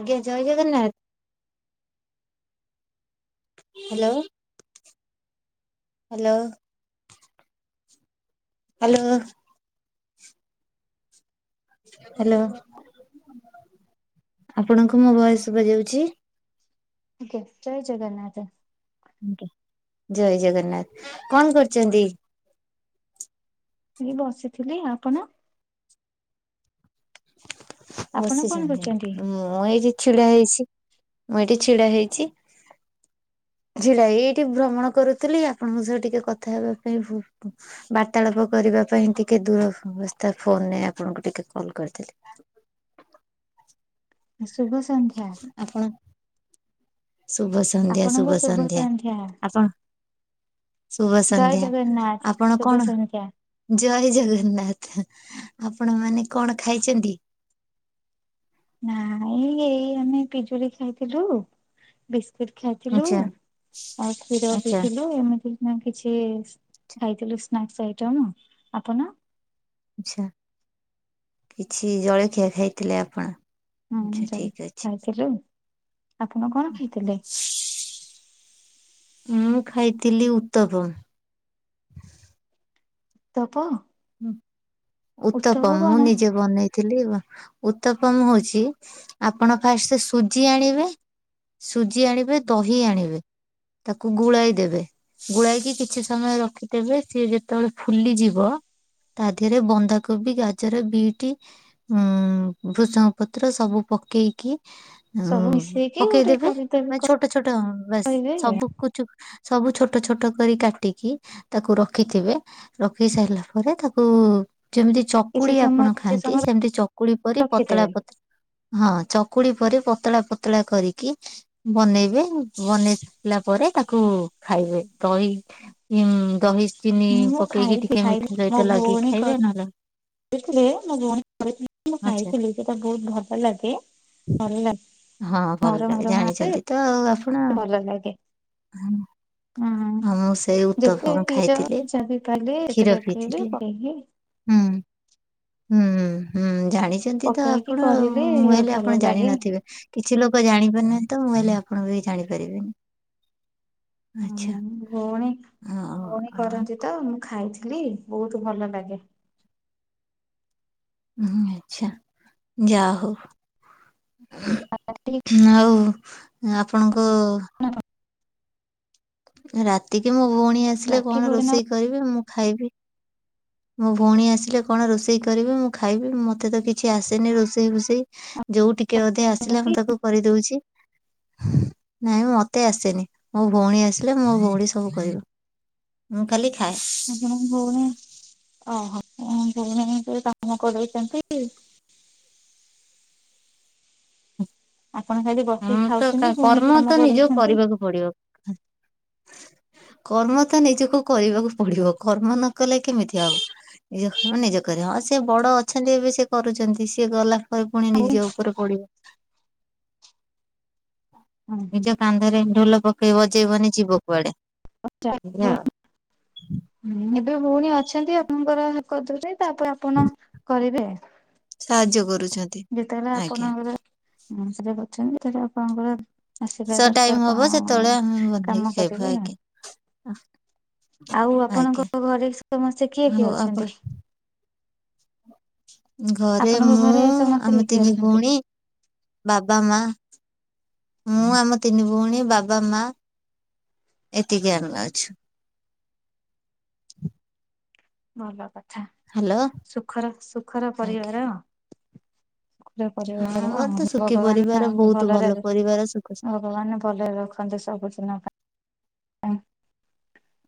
ଆଜ୍ଞା ଜୟ Jagannath. Hello hello. Hello. Hello ଆପଣଙ୍କୁ ମୋ ଭଏସ ସୁଭାଯାଉଛି? ଜୟ ଜଗନ୍ନାଥ। ଜୟ ଜଗନ୍ନାଥ କଣ କରୁଛନ୍ତି? ଏ ବସିଥିଲି ଆପଣ? ଆପଣ କଣ କରୁଛନ୍ତି? ବସିଛନ୍ତି ମୁଁ ଏଇଠି ଛିଡା ହେଇଛି। ମୁଁ ଏଠି ଛିଡା ହେଇଛି। ଝିଲା ଏଇଠି ଭ୍ରମଣ କରୁଥିଲି ଆପଣଙ୍କ ସହ ଟିକେ କଥା ହେବା ପାଇଁ ବାର୍ତ୍ତାଳାପ କର। ଯ ପାଇଁ ଟିକେ ଦୂରବସ୍ଥ ଫୋନରେ ଆପଣଙ୍କୁ ଟିକେ କଲ୍ କରିଥିଲି। ଶୁଭ ସନ୍ଧ୍ୟା। ଆପଣ ଶୁଭ ସନ୍ଧ୍ୟା ଶୁଭ ସନ୍ଧ୍ୟା ଆପଣ? ଶୁଭ ଜୟ ସନ୍ଧ୍ୟା ଜଗନ୍ନାଥ ଆପଣ ଶୁଭ କଣ ସନ୍ଧ୍ୟା। ଜୟ ଜଗନ୍ନାଥ। ଆପଣ ମାନେ କଣ ଖାଇଚନ୍ତି? ନାଇଁ ଏଇ ଆମେ ପିଜୁଳି ଖାଇଥିଲୁ। କ ଖାଇଥିଲୁ ଆଚ୍ଛା ଆଉ କ୍ଷୀର ଆଚ୍ଛା ପିଇଥିଲୁ ଏମିତି ନା କିଛି ଖାଇଥିଲୁ ସ୍ନାକ୍ସ ଆଇଟମ୍ ଆପଣ? ଆଛା କିଛି ଜଳଖିଆ ଖାଇଥିଲେ ଆପଣ? ଆଚ୍ଛା ହୁଁ ଚାଲ ଠିକ ଅଛି ଖାଇଥିଲୁ। ଆପଣ କଣ ଖାଇଥିଲେ? ମୁଁ ଖାଇଥିଲି ଉତ୍ତପମ୍। ତପ ଉତ୍ତପମ ମୁଁ ନିଜେ ବନେଇ ଥିଲ ଉତ୍ତପମ ହଉଚି ଆପଣ ଫାଷ୍ଟ ସୁଜି ଆଣିବେ। ସୁଜି ଆଣିବେ ଦହି ଆଣିବେ। ତାକୁ ଗୋଳାଇ ଦେବେ, ଗୁଳାଇକି କିଛି ସମୟ ରଖିଦେବେ ସିଏ ଯେତେବେଳେ ଫୁଲିଯିବ ତା ଦେହରେ ବନ୍ଧାକୋବି ଗାଜର ବିଟ ଉ ଭୃଷଙ୍ଗ ପତ୍ର ସବୁ ପକେଇକି ଉ ସବୁ ମିଶେଇକି ଗୋଟେ ପକେଇଦେବେ କରିଦେବେ ମାନେ ଛୋଟ ଛୋଟ ବାସ କରିବେ ସବୁ କିଛ ସବୁ ଛୋଟ ଛୋଟ କରି କାଟିକି ତାକୁ ରଖିଥିବେ ରଖି ସାରିଲା ପରେ ଘରେ ତାକୁୁ ଯେମିତି କିଛି ଚକୁଳି ସମୟ ଆପଣ କିଛି ଖାଆନ୍ତି ସମୟ ସେମିତି ଚକୁଳି ପରି ପତଳା ରଖିଦେବେ। ପତ ହଁ ଚ କକୁଡ଼ି ପରେ ପତଳା ପତଳା କରିକି ବନେଇବେ ବନେଇସାରିଲା ପରେ ତାକୁ ଖାଇବେ ଦହି ଉଁ ଦହି ଚିନି ମୁଁ ପକେଇକି ଖାଇଥିଲି ଟିକେ ମି ଦହି ତ ଲଗେଇକି ଖାଇବେ ନହଲେ ଥିଲେ ମୁ ଭଉଥିଲ ମୁଁ ଆଚ୍ଛା ଖାଇଥିଲି ସେଟା ବହୁତ ଭଲ ଲାଗେ। ଭଲ ହଁ ଭଲ ନରମ ଲାଗେ ନରମ ଆସେ ଜାଣିଚନ୍ତି ତ ଆ ଆପଣ। ଭଲ ଲାଗେ ହୁଁ ହଁ ମୁଁ ସେଇ ଯେତେ ଉତ୍ତପମ ପିଜ ଖାଇଥିଲି ପିଜ ବି ପାଇଲେ କ୍ଷୀର ସେଥି ପିଇଥିଲେ ହୁଁ। [unintelligible] ହୁଁ ହୁଁ। ଜାଣିଚନ୍ତି ତ ଆପଣ କରିଲେ ହେଲେ ଆପଣ ଭଲ ଲାଗେ ଜାଣିନଥିବେ କିଛି ଲୋକ ଜାଣିପାରୁ ନାହା ତ ମୁଁ ହେଲେ ଆପଣଙ୍କୁ ବି ଜାଣିପାରିବିନି। ହଁ ଭଉଣୀ ଭଉଣୀ ହଁ। କରନ୍ତି ତ ମୁଁ ଖାଇଥି ଲି ବହୁତ ଭଲ ଲାଗେ। ହୁଁ ଆଚ୍ଛା ଯା ହଉ। ଆଉ ଆପଣଙ୍କ ରାତିକି ମୋ ଭଉଣୀ ଆସିଲେ ରାକ୍ଷୀ କଣ ଭୋଜନ ରୋଷେଇ କରିବେ ମୁଁ ଖାଇବି। ମୋ ଭଉଣୀ ଆସିଲେ କଣ ରୋଷେଇ କରିବି ମୁଁ ଖାଇବି ମତେ ତ କିଛି ଆସେନି ରୋଷେଇ ଫୋଷେଇ ଯୋଉ ଟିକେ ଅଧେ ଆସିଲା କରନ୍ତି ମୁଁ ତାକୁ କରିଦଉଛି। ନାଇଁ ମତେ ଆସେନି ମୋ ଭଉଣୀ ଆସିଲେ ମୋ ଭଉଣୀ ସବୁ କହିବ। ମୁଁ ଖାଲି ଖାଏ। ହଁ ହଉ। [unintelligible] ଆପଣ ଖାଲି ବସିକି ହଁ ତ ଖାଉଛନ୍ତି ଭଉଣୀ କର୍ମ କି କାମ ତ ନିଜ କରଉଛନ୍ତି କରିବାକୁ ପଡିବ। କର୍ମ ତ ନିଜକୁ କରିବାକୁ ପଡିବ କର୍ମ ନ କଲେ କେମିତି ଆବ। ନିଜ ନିଜ କରି ହଁ ସେ ବଡ ଅଛନ୍ତି ଏବେ ସେ କରୁଛନ୍ତି ସିଏ ଗଲା କ ପୁଣି ନିଜ ଉପରେ ପଡିବ ନିଜ କାନ୍ଧରେ ଢୋଲ ପକେଇ ବଜେଇବନି ଯିବ କୁଆଡେ। [unintelligible] ଏଇଆ ଆଉ। ତାପରେ ଆପଣ କରିବେ। ସାହାଯ୍ୟ କରୁଛି। ଯେତେବେଳେ ଆପଣଙ୍କର ଅଛନ୍ତି ଯେତେବେଳେ ଆପଣଙ୍କର ଆସିବା ସ ଟାଇମ ଦରକାର ହବ କଣ ସେତେବେଳେ ଆମେ ବନେଇକି କାମ ଖାଇବୁ କରିବେ ଆଉ ଆଜ୍ଞା ଆଉ ଆଜ୍ଞା ଆପଣଙ୍କ ଘରେ ସମସ୍ତେ କିଏ ହଉ କିଏ ଆପଣ ଅଛନ୍ତି? ଘରେ ଆପଣଙ୍କ ମୁଁ ଘରେ ସମସ୍ତେ କିଏ ଆମେ କିଏ ତିନି ଅଛନ୍ତି ଭଉଣୀ ବାବା ମା। ମୁଁ ଆମ ତିନି ଭଉଣୀ ବାବା ମା। ଏତିକି ଆମେ ଅଛୁ। ଭଲ କଥା ହ୍ୟାଲୋ ସୁଖର ସୁଖର ଆଜ୍ଞା। ପରିବାର ହଁ ପରିବାର ଆମର ତ ସୁଖୀ ଭଗବାନ ପରିବାର ନା ବହୁତ ଭଲରେ ଭଲ ପରିବାର ସୁଖ ଭଗବାନ ଭଲରେ ରଖନ୍ତି ସବୁଦିନ ପାଇଁ।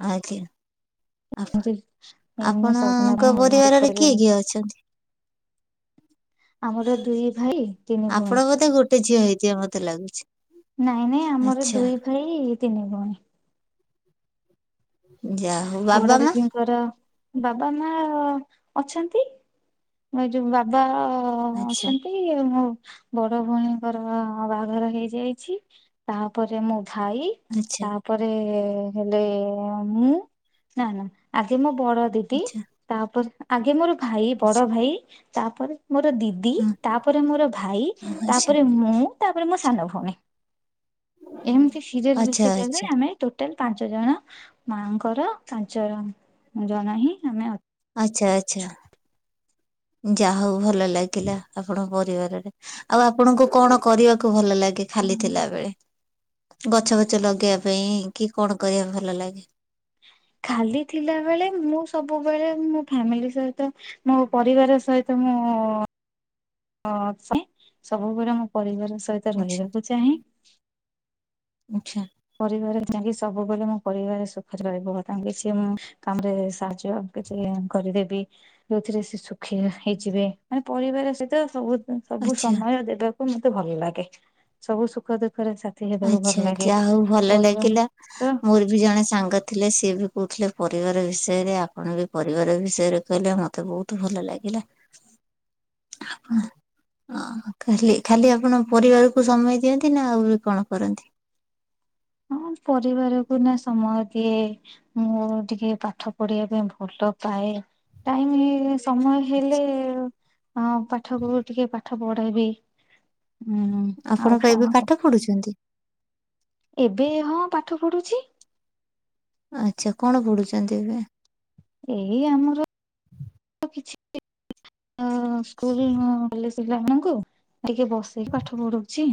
[unintelligible] ଏମିତି ସବୁଦିନ ଆପଣଙ୍କ ପାଇଁ ପରିବାରରେ ସୁଖରେ କିଏ କିଏ ଅଛନ୍ତି? ଆମର ଦୁଇ ଭାଇ ତିନି ଭଉଣୀ। ମତେଝିଅ ହେଇଯିବ ମୋତେ ଲାଗୁଛି। ନାଇଁ ନାଇଁ ଆମର ଆଚ୍ଛା ଦୁଇ ଭାଇ ତିନି ଭଉଣୀ। ଯା ହଉ ବାବା ବଡ ମା ଦିଦିଙ୍କର ବାବା ମା ଅଛନ୍ତି ଯୋଉ ଓ ଆଚ୍ଛା ଅଛନ୍ତି ମୋ ବଡ ଭଉଣୀଙ୍କର ବାହାଘର ହେଇଯାଇଛି ତାପରେ ମୁଁ ଭାଇ ଆଚ୍ଛା ତାପରେ ହେଲେ ମୁଁ ନା ନା ଆଗେ ମୋ ବଡ ଦିଦି ଆଚ୍ଛା ତାପରେ ଆଗେ ମୋର ଭାଇ ଆଚ୍ଛା। ବଡ ଭାଇ ତାପରେ ମୋର ଦିଦି ହଁ ତାପରେ ମୋର ଭାଇ ଆଚ୍ଛା ତାପରେ ମୁଁ ତାପରେ ମୋ ସାନ ଭଉଣୀ। ଏମିତି ସିରିଏଲ ଆଚ୍ଛା ମିଶିକିରୀ ଆଚ୍ଛା ଆମେ ଟୋଟାଲ ପାଞ୍ଚ ଜଣ ମାଙ୍କର ପାଞ୍ଚ ଜଣ [unintelligible] ଆଚଛା ଆଚଛା [inaudible] ଯାହା ହଉ ଭଲ ଲାଗିଲା ଆପଣଙ୍କ ପରିବାରରେ ଆଉ ଆପଣଙ୍କୁ କଣ କରିବାକୁ ଭଲ ଲାଗେ ଖାଲି ଥିଲା ବେଳେ? ଗଛ ଫଛ ଲଗେଇବା ପାଇଁ କି କଣ କରିବାକୁ ଭଲ ଲାଗେ। ଖାଲି ଥିଲା ବଳେ ମୁଁ ସବୁବେଳେ ମୋ ଫ୍ୟାମିଲି ସହିତ ମୋ ପରିବାର ସହିତ ମୁଁ ହ ସବୁବେଳେ ମୋ ପରିବାର ସହିତ ରହିବାକୁ ଚାହେଁ। ଆଚଛା ପରିବାର ଯାଇକି ସବୁବେଲେ ମୋ ପରିବାର ସୁଖରେ ରହିବ ତାଙ୍କୁ କିଛି ମୁଁ କାମ ରେ ସାହାଯ୍ୟ କିଛି କରିଦେବି ଯୋଉଥିରେ ସେ ସୁଖୀ ହେଇଯିବେ ମାନେ ପରିବାର ସହିତ ସବୁ ସବୁ ଆଚ୍ଛା ସମୟ ଦେବାକୁ ମତେ ଭଲ ଲାଗେ ସବୁ ସୁଖ ଦୁଃଖରେ ସାଥି ହେବାକୁ ଭଲ ଲାଗେ। ଉ ଭଲ ପରିବାର ଲାଗିଲା ତ ମୋର ବି ଜଣେ ସାଙ୍ଗ ଥିଲେ ସିଏ ବି କହୁଥିଲେ ପରିବାର ବିଷୟରେ ଆପଣ ବି ପରିବାର ବିଷୟରେ କହିଲେ ମତେ ବହୁତ ଭଲ ଲାଗିଲା। ହ ଅ ହ ଖାଲି ଖାଲି ଆପଣ ପରିବାରକୁ ସମୟ ଦିଅନ୍ତି ନା ଆଉ ବି କଣ କରନ୍ତି? ହଁ ପରିବାରକୁ ନା ସମୟ ଦିଏ। ମୁଁ ଟିକେ ପାଠ ପଢିବା ପାଇଁ ଭଲ ପାଏ। ଟାଇମ୍ ସମୟ ହେଲେ ଏ ହଁ ପାଠକୁ ବି ଟିକେ ପାଠ ପଢେଇବି। ହୁଁ ଆପଣ ଆଉ ପା ଏବେ କଣ ପାଠ କ ପଢୁଛନ୍ତି ଏବେ ହଁ ପାଠ ପଢୁଛି। ଆଚ୍ଛା କଣ ପଢୁଛନ୍ତି ଏବେ ଏଇ ଆମର କିଛି ଅ ସ୍କୁଲ [unintelligible] ଟିକେ ବସେଇକି ପାଠ ପଢଉଛି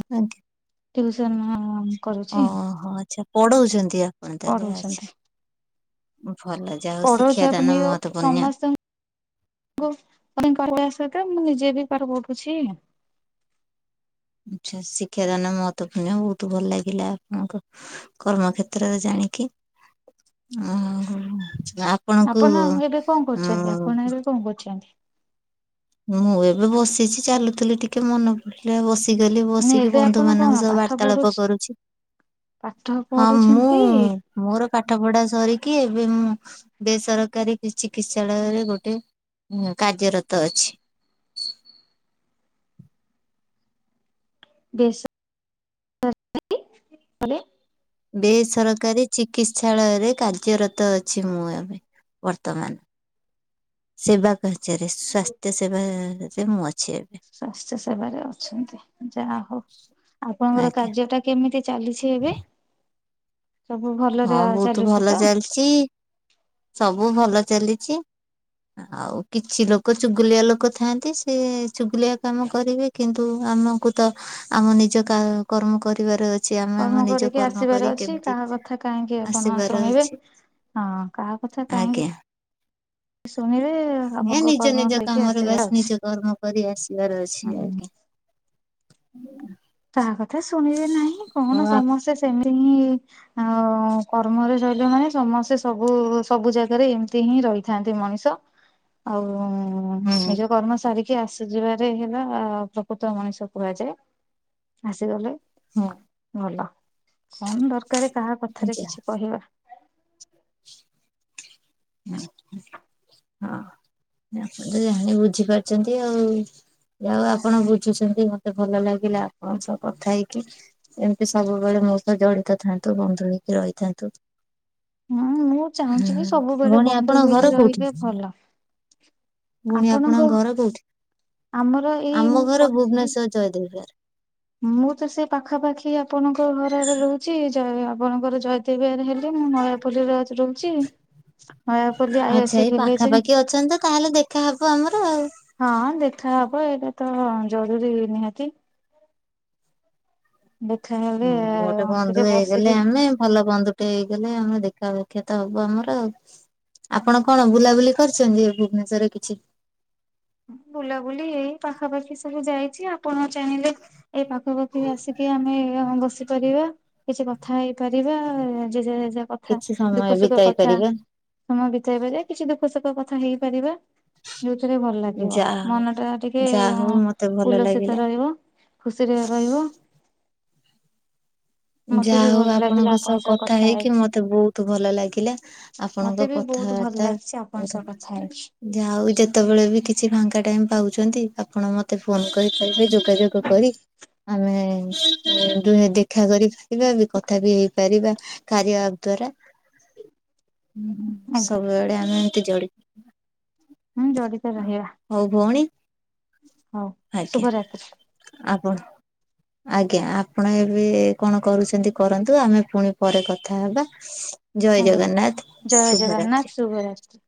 [inaudible] ଟ୍ୱିସନ୍ ଅ ଓହୋ ଆଚ୍ଛା ପଢଉଛନ୍ତି ଆପଣ ତାହେଲେ ପଢଉଛନ୍ତି। ଆଚ୍ଛା। ଭଲ ଯା ହଉ ପଢଉଛ ଶିକ୍ଷାଦାନ ମହତପୁଣ୍ୟ। [unintelligible] କରିବା ସହିତ ମୁଁ ନିଜେ ବି ପାଠ ପଢୁଛି। ଆଛା ଶିକ୍ଷାଦାନ ମହତପୂନ୍ୟ ବହୁତ ଭଲ ଲାଗିଲା ଆପଣଙ୍କ କର୍ମ କ୍ଷେତ୍ରରେ ଜାଣି। ଣିକି ଆଉ ଆପଣଙ୍କୁ ଆପଣ ଏବେ କଣ କରୁଛନ୍ତି? ଆପଣ ଉଁ ଏବେ କଣ କରୁଛନ୍ତି? ମୁଁ ଏବେ ବସିଛି ଚାଲୁଥିଲି ଟିକେ ମନେ ପଡିଲା ବସି ବସିଗଲି ନା ବସିକି ଏବେ ବନ୍ଧୁ ଆପଣ କଣ ମାନଙ୍କ ସହ ପାଠ ପଢୁ ବାର୍ତ୍ତାଳାପ କରୁଛି। ପାଠ ହଁ ମୁଁ ପଢୁଛନ୍ତି ମୋର ପାଠ ପଢା ସରିକି ଏବେ ମୁଁ ବେସରକାରୀ ଚିକିତ୍ସାଳୟରେ ଗୋଟେ ହୁଁ କାର୍ଯ୍ୟରତ ଅଛି। ବେସ କରେ। ବେସରକାରୀ ଚିକିତ୍ସାଳୟରେ କାର୍ଯ୍ୟରତ ଅଛି ମୁଁ ଏବେ। ବର୍ତ୍ତମାନ ସେବା କାର୍ଯ୍ୟରେ ସ୍ଵାସ୍ଥ୍ୟ ସେବାରେ ମୁଁ ଅ ସ୍ୱାସ୍ଥ୍ୟ ସେବାରେ ଅଛନ୍ତି ଯାହା ହଉ। ଆପଣଙ୍କର ଆଜ୍ଞା କାର୍ଯ୍ୟ ଟା କେମିତି ଚାଲିଛି ଏବେ। ସବୁ ଭଲରେ ହଁ ବହୁତ ଚାଲୁଛି ତ? ଭଲ ଚାଲିଛି ସବୁ ଭଲ ଚାଲିଚି। ଆଉ କିଛି ଲୋକ ଚୁଗୁଲିଆ ଲୋକ ଥାଆନ୍ତି ସେ ଚୁଗୁଲିଆ କାମ କରିବେ କିନ୍ତୁ ଆମକୁ ତ ଆମ ନିଜ କା କର୍ମ କରିବାର ଅ କର୍ମ କରିକି ଆସିବାର ଅଛି କାହା କଥା କାହିଁକି ଆପଣ ଆସିବାର ଶୁଣିବେ ଅଛି ହଁ କାହା କଥା କାହିଁକି ଶୁଣିବେ ଏଁ ଆପଣଙ୍କ ନିଜ କର୍ମ ନିଜ ସରିକି କାମରେ ଆସିବାର ବାସ୍ ଅଛି। ନିଜ କର୍ମ କରି ଆସିବାର ଅଛି ଆଉ। ହୁଁ [inaudible] କାହା କଥା ଶୁଣିବେ ନାହିଁ କଣ ଆ ସମସ୍ତେ ସେମି ଟି ଆଉ କର୍ମରେ ରହିଲମାନେ ସମସ୍ତେ ସବୁ ସବୁ ଜାଗାରେ ଏମିତି ହିଁ ର ରହିଥାନ୍ତି ମଣିଷ ଆଉ ଓ ନିଜ ହୁଁ କର୍ମ ସାରିକି ଆସିଯିବାରେ ହେଲା ପ୍ରକୃତ ମଣିଷ କୁହାଯାଏ। ଆସିଗଲେ। ହଁ। ଭଲ କଣ ଦରକାର କାହା ହୁଁ କଥାରେ ଯା କିଛି କହିବା ଭ ହଁଅ। ଆପଣ ତ ବୁଝିପାରୁଛନ୍ତି ଆଉ। [unintelligible] ଯାଉ ଆପଣ ବୁଝୁଛନ୍ତି ମତେ ଭଲ ଲାଗିଲା ଆପଣଙ୍କ ସହ କଥା ହେଇକି ଏମିତି ସବୁବେଳେ ମୋ ସହ ଜଡ଼ିତ ଥାନ୍ତୁ ବନ୍ଧୁ ହେଇକି ରହିଥାନ୍ତୁ। ହୁଁ ମୁଁ ଚାହୁଁଛି କି ସବୁବେଳେ ଭଉଣୀ ବନ୍ଧୁ ଆପଣଙ୍କ ଘର ହେଇକି କୋଉଠି? ରହିବେ ଭଲ। ଭଉଣୀ ଆପଣଙ୍କ ଘର କୋଉଠି? ଆମର ଏଇ ଆମ ମୁ ଘର ଅଛି। ଭୁବନେଶ୍ଵର ଜୟଦେବବିହାର। ମୁଁ ତ ସେ ପାଖାପାଖି ଆପଣଙ୍କ ଘରରେ ରହୁଛି ଆପଣଙ୍କର ଜୟ ତବେ ହେଲେ ମୁଁ ନୟାପଲ୍ଲୀରେ ରହୁଛି। ନୟାପଲ୍ଲୀ ଆଚ୍ଛା ଆଇଆଇସି ଏଇ ଭିଲେଜେ। ପାଖାପାଖି ଅଛନ୍ତି ତାହେଲେ ଦେଖାହବ ଆମର ଆଉ। କଥା ହବ ଏଇଟା ତ ଜରୁରୀ ନିହାତି ଦେଖାହେଲେ ହୁଁ ଗୋଟେ ଟିକେ ବନ୍ଧୁ ହେଇଗଲେ ବସିକି ଆମେ ଭଲ ବନ୍ଧୁ ଟେ ହେଇଗଲେ ଆମେ ଦେଖ ଅଖାପେଖା ତ ହବ ଆମର ଆଉ। [unintelligible] ଆପଣ କଣ ବୁଲାବୁଲି କରିଛନ୍ତି ଭୁବନେଶ୍ୱରରେ କିଛି? ବୁଲାବୁଲି ଏଇ ପାଖାପାଖି ସବୁ ଯାଇଛି ଆପଣ ଚାହିଁଲେ ଏ ପାଖପାଖି ଆସିକି ଆମେ ବସିପାରିବା କିଛି କଥା ହେଇ ପାରିବା ଯେଝା ଯେଝା କଥା, କିଛି ସମୟ ଦୁଃଖ ସୁଖ ବିତାଇ କଥା, ପାରିବେ ସମୟ ବିତେଇ ପାରିବା କିଛି ଦୁଃଖ ଦୁଃଖ ସୁଖ କଥା ହେଇପାରିବା ଯଉଥିରେ ଭଲ ଲାଗିବ ଯାହା ହଉ ମନ ଟା ଟିକେ ଯାହା ହଉ ମତେ ଭଲ ଉଲସିତ ଲାଗିଲା। ରହିବ ଖୁସିରେ ରହିବ, ଯାହା ହଉ ଆପଣଙ୍କ ସହ କଥା ହେଇକି ମତେ ବହୁତ ଭଲ ଲାଗିଲା, ମତେ ଆପଣଙ୍କ ବି ବହୁତ ଭଲ କଥାବାର୍ତ୍ତା ଲାଗିଛି ଆପଣଙ୍କ ସହ କଥା ହେଇକି ଯାହାହଉ ଯେତେବେଳେ ବି କିଛି ଫାଙ୍କା କେତେ ଟାଇମ୍ ପାଉଛନ୍ତି ଆପଣ ମୋତେ ଫୋନ୍ କରିପାରିବେ ଯ ଯୋଗାଯୋଗ କରି ଆମେ ଦୁହେଁ ଦେଖା କରିପାରିବା ବି କଥା ବି ହେଇ କାରିଆ ଆପ ଦ୍ଵାରା ଆଜ୍ଞା ସବୁବେଳେ ଆମେ ଯଡ଼ି [unintelligible] ହଁ ଜଡ଼ିତ ରହିବା। ହଉ ଆଜ୍ଞା ଶୁଭରାତ୍ରି। ଆପଣ ଆଜ୍ଞା ଆପଣ ଏବେ କଣ କରୁଛନ୍ତି କରନ୍ତୁ ଆମେ ପୁଣି ପରେ କଥା ହେବା। ଜୟ ଆଜ୍ଞା ଜଗନ୍ନାଥ ଜୟ ଶୁଭ ରାତ୍ରି ଜଗନ୍ନାଥ ଶୁଭରାତ୍ରି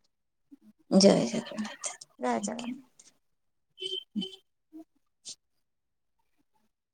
ଜୟ ଜଗନ୍ନାଥ। ଜୟ ଜଗନ୍ନାଥ। [inaudible]